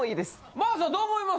真麻どう思います？